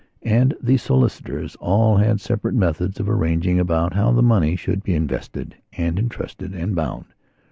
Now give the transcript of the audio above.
And the solicitors all had separate methods of arranging about how the money should be invested and entrusted and bound.